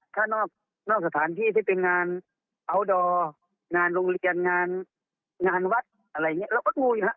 ถ้านอกนอกสถานที่ที่เป็นงานงานโรงเรียนงานงานวัดอะไรอย่างเงี้ยเราก็ดูอยู่นะ